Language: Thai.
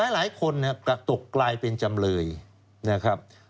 หลายคนกระตกกลายเป็นจำเลยนะครับ